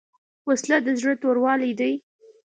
وسله د زړه توروالی دی